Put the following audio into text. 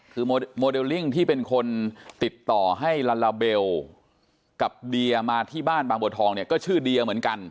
คือโมเดลลิ่งที่เป็นคนติดต่อให้ลาลาเบลกับเดียมาที่บ้านบางบัวทองเนี่ยก็ชื่อเดียเหมือนกัน